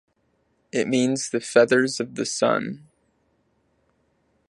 It means the feathers of the sun.